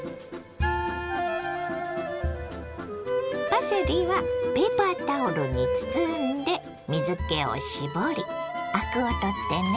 パセリはペーパータオルに包んで水けを絞りアクを取ってね。